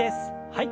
はい。